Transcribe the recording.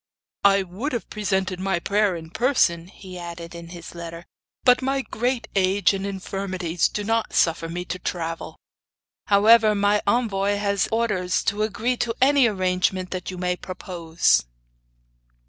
'I would have presented my prayer in person, he added in his letter, 'but my great age and infirmities do not suffer me to travel; however my envoy has orders to agree to any arrangement that you may propose.